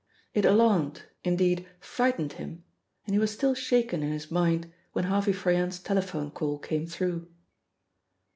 It alarmed, indeed, frightened him, and he was still shaken in his mind when Harvey Froyant's telephone call came through.